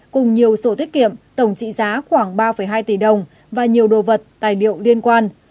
cùng nhiều sổ tiết kiệm tổng trị giá khoảng ba hai tỷ đồng và nhiều đồ vật tài liệu liên quan